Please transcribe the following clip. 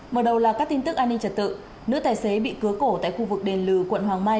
mở đầu là các tin tức an ninh trật tự nữ tài xế bị cưa cổ tại khu vực đền lừ quận hoàng mai